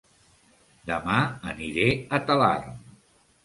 Dema aniré a Talarn